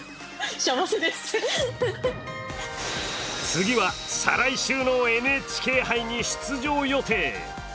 次は再来週のＮＨＫ杯に出場予定。